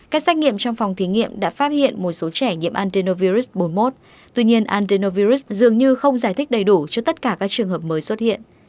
các xét nghiệm trong phòng thí nghiệm đã phát hiện một số trẻ nhiễm antenovirus bốn mươi một tuy nhiên andernovirus dường như không giải thích đầy đủ cho tất cả các trường hợp mới xuất hiện